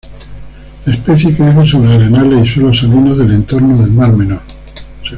La especie crece sobre arenales y suelos salinos del entorno del Mar Menor.